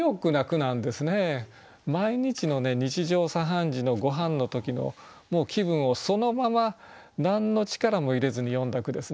毎日の日常茶飯事のごはんの時の気分をそのまま何の力も入れずに詠んだ句ですね。